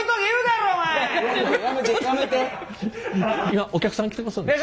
今お客さん来てますんで。